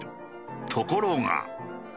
ところが。